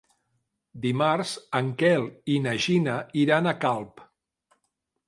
Dimarts en Quel i na Gina iran a Calp.